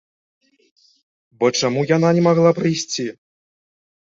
Бо чаму яна не магла прыйсці?